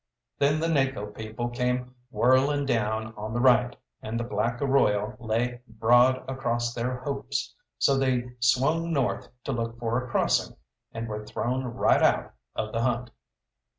Then the Naco people came whirling down on the right, and the black arroyo lay broad across their hopes, so they swung north to look for a crossing, and were thrown right out of the hunt.